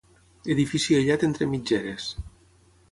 Edifici aïllat entre mitgeres.